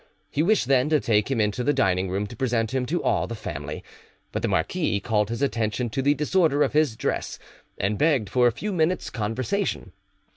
He wished then to take him into the dining room to present him to all the family; but the marquis called his attention to the disorder of his dress, and begged for a few minutes' conversation.